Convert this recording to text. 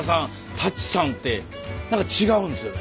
舘さんって何か違うんですよね。